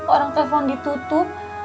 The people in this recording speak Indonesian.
orang telepon ditutup